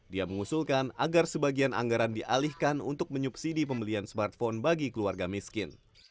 dia mengusulkan agar sebagian anggaran dialihkan untuk menyubsidi pembelian smartphone bagi keluarga miskin